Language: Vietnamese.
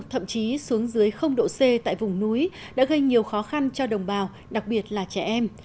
thậm chí xuống dưới độ c tại vùng núi đã gây nhiều khó khăn cho đồng bào đặc biệt là trẻ em